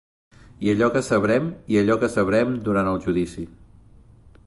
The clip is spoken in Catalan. I allò que sabrem, i allò que sabrem durant el judici.